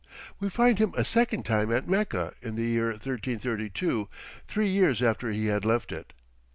We find him a second time at Mecca in the year 1332, three years after he had left it.